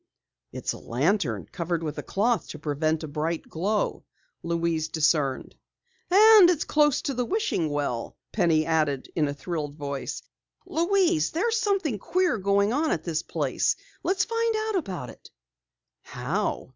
"It's a lantern covered with a cloth to prevent a bright glow!" Louise discerned. "And it's close to the wishing well!" Penny added in a thrilled voice. "Lou, there's something queer going on at this place. Let's find out about it!" "How?"